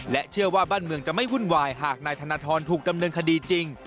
เชื่อว่าบ้านเมืองจะไม่วุ่นวายหากนายธนทรถูกดำเนินคดีจริง